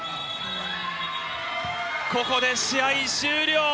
ここで試合終了。